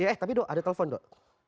eh tapi doh ada telepon doh